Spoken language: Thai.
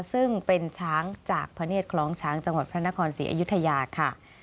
ซึ่งเป็นช้างจากพระเนธคล้องช้างจังหวัดพระนครศรีอยุธยาค่ะ